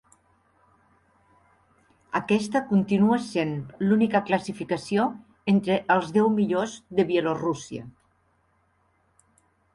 Aquesta continua sent l'única classificació entre els deu millors de Bielorússia.